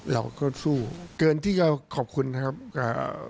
เราก็สู้เกินที่จะขอบคุณนะครับอ่า